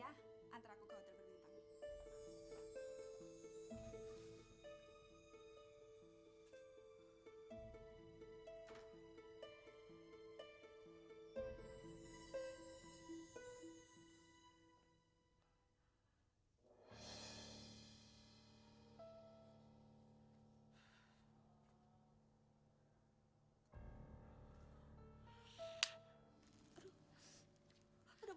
antar aku ke hotel berikutnya